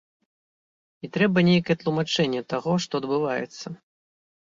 І трэба нейкае тлумачэнне таго, што адбываецца.